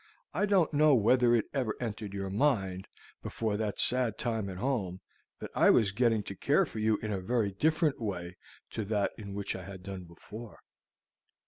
I don't know whether it ever entered your mind, before that sad time at home, that I was getting to care for you in a very different way to that in which I had done before.